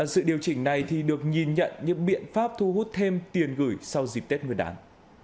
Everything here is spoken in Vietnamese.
sự điều chỉnh này thì được nhìn nhận như biện pháp thu hút thêm tiền gửi sau dịp tết người đáng